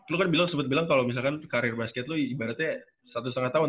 lu kan sempet bilang kalo misalkan karir basket lu ibaratnya satu lima tahun